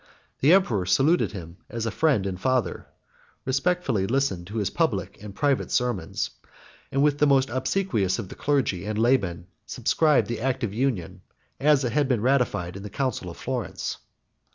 The emperor saluted him as a friend and father; respectfully listened to his public and private sermons; and with the most obsequious of the clergy and laymen subscribed the act of union, as it had been ratified in the council of Florence.